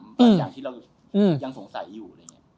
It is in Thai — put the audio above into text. บางอย่างที่เรายังสงสัยอยู่